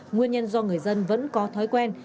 nguyên nhân do người dân vẫn có thói quen